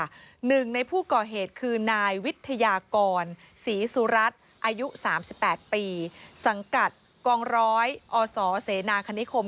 หนึ่งในผู้ก่อเหตุคือนายวิทยากรศรีสุรัตน์อายุ๓๘ปีสังกัดกองร้อยอศเสนาคณิคม